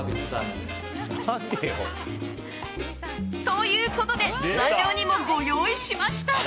ということでスタジオにもご用意しました。